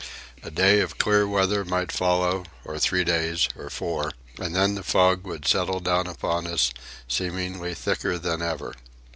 A day of clear weather might follow, or three days or four, and then the fog would settle down upon us, seemingly thicker than ever.